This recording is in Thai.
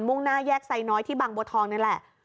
่งหน้าแยกไซน้อยที่บางบัวทองนี่แหละ